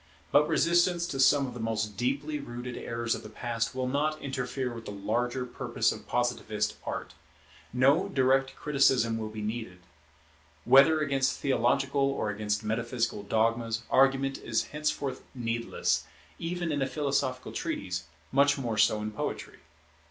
But resistance to some of the most deeply rooted errors of the Past will not interfere with the larger purpose of Positivist Art. No direct criticism will be needed. Whether against theological or against metaphysical dogmas, argument is henceforth needless, even in a philosophical treatise, much more so in poetry.